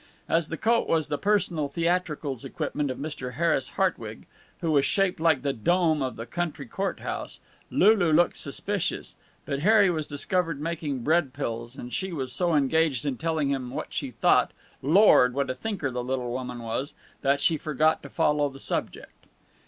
As the coat was the personal theatricals equipment of Mr. Harris Hartwig, who was shaped like the dome of the county court house, Lulu looked suspicious, but Harry was discovered making bread pills, and she was so engaged in telling him what she thought Lord, what a thinker the little woman was! that she forgot to follow the subject.